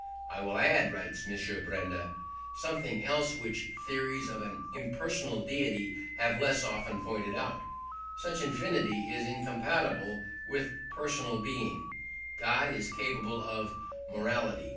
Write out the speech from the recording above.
"I will add", writes M. Benda, "something else which theories of an impersonal deity have less often pointed out. Since infinity is incompatible with personal being, God is incapable of morality."